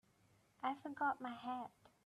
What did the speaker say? I forgot my hat.